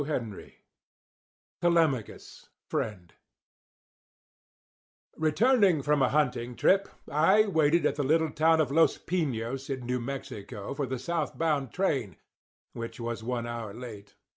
III TELEMACHUS, FRIEND Returning from a hunting trip, I waited at the little town of Los Piños, in New Mexico, for the south bound train, which was one hour late.